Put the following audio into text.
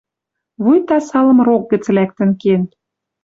Вуйта салым рок гӹц лӓктӹн кен